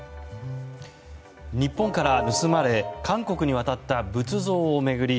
日本から盗まれ韓国に渡った仏像を巡り